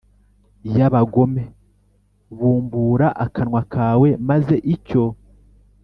Y abagome bumbura akanwa kawe maze icyo